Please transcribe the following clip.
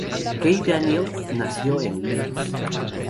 Kay Daniel nació en Leeds.